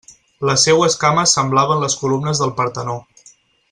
Les seues cames semblaven les columnes del Partenó.